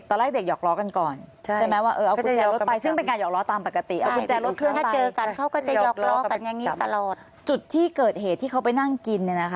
ตอนแรกเด็กหยอกล้อกันก่อนใช่ไหมว่าเอากุญแจรถไป